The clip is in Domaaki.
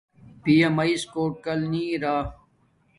پیامیس کوٹ کل نی ارا